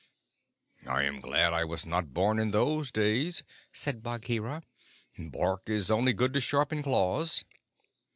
"I am glad I was not born in those days," said Bagheera. "Bark is only good to sharpen claws."